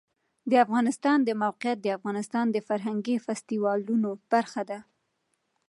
د افغانستان د موقعیت د افغانستان د فرهنګي فستیوالونو برخه ده.